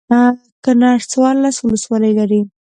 کنړ څوارلس ولسوالۍ لري.